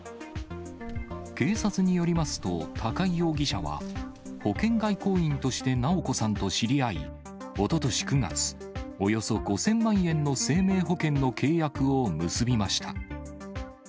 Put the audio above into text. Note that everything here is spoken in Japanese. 警察によりますと、高井容疑者は、保険外交員として直子さんと知り合い、おととし９月、およそ５０００万円の生命保険の契約を結びました。